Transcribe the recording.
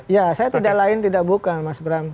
ya saya tidak lain tidak buka mas bram